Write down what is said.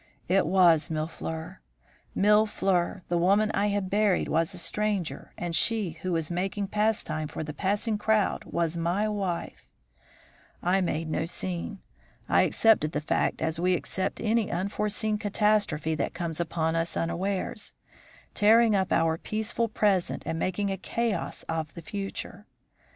It was Mille fleurs! Mille fleurs! The woman I had buried was a stranger, and she who was making pastime for the passing crowd was my wife! "I made no scene. I accepted the fact as we accept any unforeseen catastrophe that comes upon us unawares, tearing up our peaceful present and making a chaos of the future.